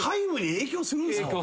影響するんです。